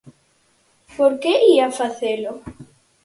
Por que ía facelo?